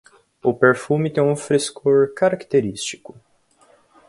O perfume tem um frescor característico